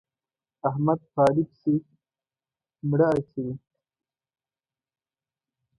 احمد په علي پسې مړه اچوي.